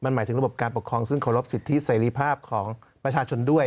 หมายถึงระบบการปกครองซึ่งเคารพสิทธิเสรีภาพของประชาชนด้วย